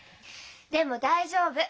でも大丈夫。